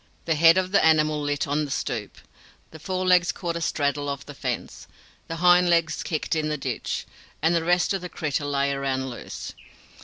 The head of the animal lit on the stoop; the fore legs caught a straddle of the fence; the hind legs kicked in the ditch, and the rest of the critter lay around loose.